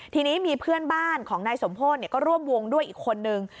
ทีนี้มีเพื่อนบ้านของนายสมโพธิก็ร่วมวงด้วยอีกคนนึง